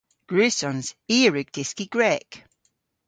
Gwrussons. I a wrug dyski Grek.